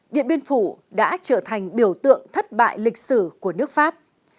điện biên phủ đã trở thành biểu tượng thất bại lịch sử của nước pháp